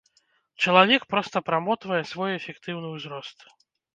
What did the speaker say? Чалавек проста прамотвае свой эфектыўны ўзрост.